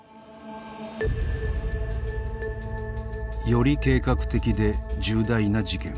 より計画的で重大な事件。